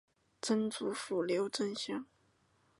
曾祖父刘震乡。